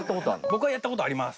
僕はやった事あります。